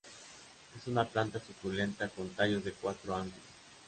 Es una planta suculenta con tallos de cuatro ángulos.